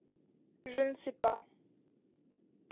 Je ne sais pas…